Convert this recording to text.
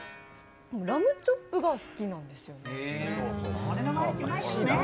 でもラムチョップが好きなんですよね。